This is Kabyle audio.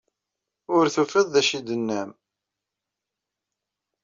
Ur tufiḍ d acu i d-tennam.